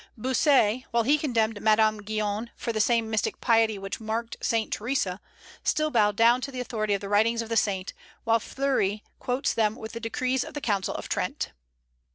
Bossuet, while he condemned Madame Guyon for the same mystical piety which marked Saint Theresa, still bowed down to the authority of the writings of the saint, while Fleury quotes them with the decrees of the Council of Trent.